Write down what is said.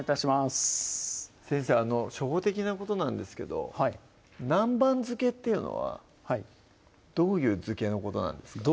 初歩的なことなんですけどはい「南蛮漬け」っていうのはどういう漬けのことなんですか？